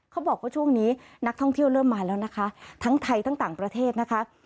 เขาบอกว่าช่วงนี้นักท่องเที่ยวเริ่มมาแล้วนะคะทั้งไทยทั้งต่างประเทศนะคะ